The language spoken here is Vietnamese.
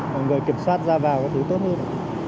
mọi người kiểm soát ra vào các thứ tốt hơn